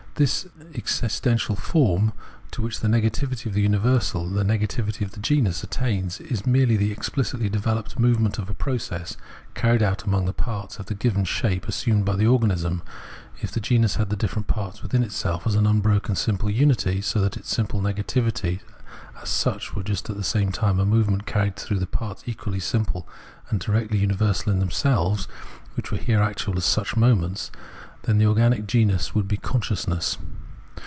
The ex istential form, to which the negativity of the uni versal, the negativity of the genus, attains, is merely the explicitly developed movement of a process, carried out among the parts of the given shape assumed by the If the genus had the different parts within Observation of Organic Nature 28 1 itself as an unbroken simple unity, so that its simple negativity as sucli were at the same time a movement, carried on through parts equally simple and directly uni versal in themselves, which were here actual as such moments, then the organic genus would be conscious ness.